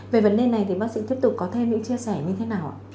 về vấn đề này thì bác sĩ tiếp tục có thêm những chia sẻ như thế nào ạ